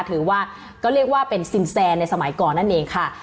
ถือว่าก็เรียกว่าเป็นสินแซนในสมัยก่อนนั่นเองค่ะ